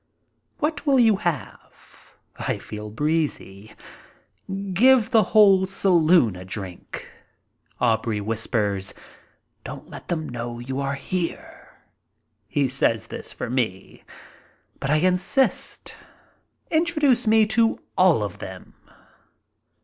"What will you have?" I feel breezy. "Give the whole saloon a drink." Aubrey whispers, "Don't let them know you are here." He says this for me. But I insist. "Introduce me to all of them."